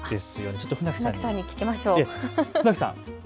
ちょっと船木さんに聞きましょう。